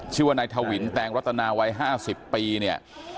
ชื่อว่านายทวินแตงรัตนาวัย๕๐ปีเนี่ย